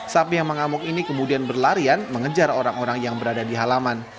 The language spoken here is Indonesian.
sapi yang mengamuk ini kemudian berlarian mengejar orang orang yang berada di halaman